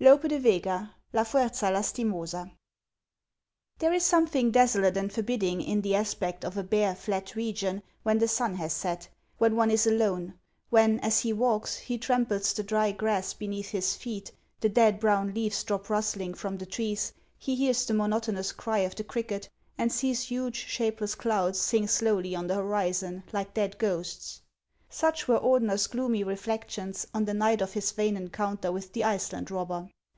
— LOPE DE VEGA : La Fucrza Lastimosa. "^HEIiE is something desolate and forbidding in the •* aspect of a bare, fiat region when the sun lias set, when one is alone ; when, as he walks, he tramples the dry grass beneath his feet, the dead brown leaves drop rustling from the trees, he hears the monotonous cry of HANS OF ICELAND. 339 the cricket, aiid sees huge, shapeless clouds sink slowly on the horizon like dead ghosts. Such were Ordener's gloomy reflections on the night of his vain encounter with the Iceland robber.